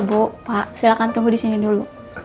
bu pak silahkan tunggu disini dulu